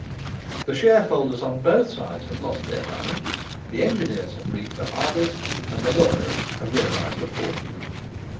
The shareholders on both sides have lost their money, the engineers have reaped a harvest, and the lawyers have realized a fortune.